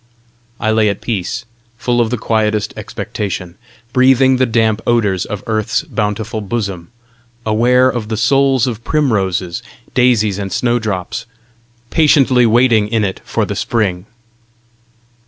I lay at peace, full of the quietest expectation, breathing the damp odours of Earth's bountiful bosom, aware of the souls of primroses, daisies and snowdrops, patiently waiting in it for the Spring.